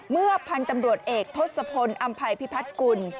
เมื่อพันธุ์ตำรวจเอกทศพลอำภัยพิพัฒน์กุล